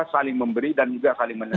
saling memberi dan juga saling menerima